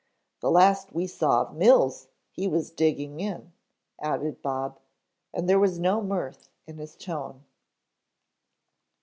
"The last we saw of Mills, he was digging in," added Bob, and there was no mirth in his tone.